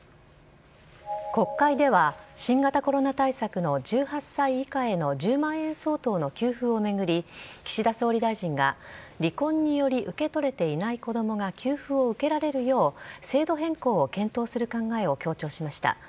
国会では、新型コロナ対策の１８歳以下への１０万円相当の給付を巡り、岸田総理大臣が、離婚により受け取れていない子どもが給付を受けられるよう、制度変更を検討する考えを強調しました。